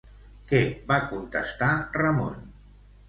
Què va contestar Ramon?